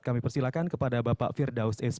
kami persilahkan kepada bapak firdaus sp